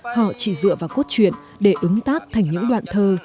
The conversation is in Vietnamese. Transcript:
họ chỉ dựa vào cốt truyện để ứng tác thành những đoạn thơ